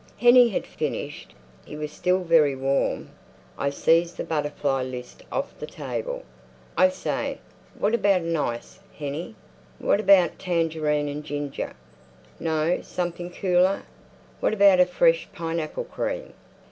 Hennie had finished. He was still very warm. I seized the butterfly list off the table. "I say—what about an ice, Hennie? What about tangerine and ginger? No, something cooler. What about a fresh pineapple cream?"